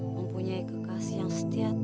mempunyai kekasih yang setia dan jujur